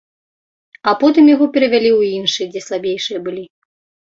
А потым яго перавялі ў іншы, дзе слабейшыя былі.